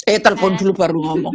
eh telepon dulu baru ngomong